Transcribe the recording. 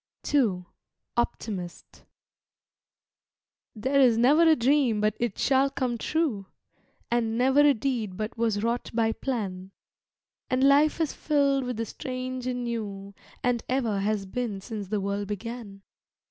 II OPTIMIST There is never a dream but it shall come true, And never a deed but was wrought by plan; And life is filled with the strange and new, And ever has been since the world began.